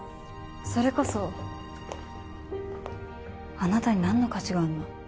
それこそあなたに何の価値があんの？